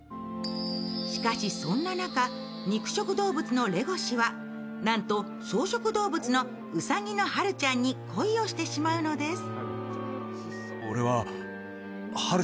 しかし、そんな中、肉食動物のレゴシはなんと草食動物のウサギのハルちゃんに恋をしてしまうのです。